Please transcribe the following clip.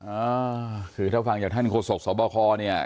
อ่าคือถ้าฟังจากท่านโคศกสวบาลคอร์เนี้ย